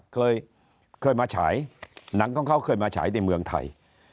เคยเคยมาฉายหนังของเขาเคยมาฉายในเมืองไทย